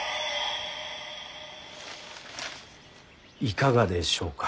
いかがでしょうか。